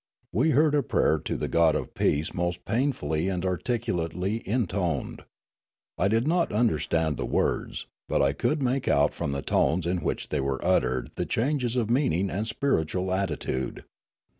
We heard a pra3'er to the god of peace most painfully and articu lately intoned. I did not understand the words, but I could make out from the tones in which they were uttered the changes of meaning and spiritual atti tude.